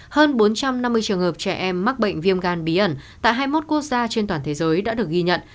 hơn bốn trăm năm mươi trường hợp trẻ em mắc bệnh viêm gan bí ẩn tại hai mươi một quốc gia trên toàn thế giới đã được ghi nhận